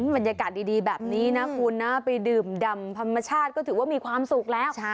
บรรยากาศดีแบบนี้นะคุณนะไปดื่มดำธรรมชาติก็ถือว่ามีความสุขแล้ว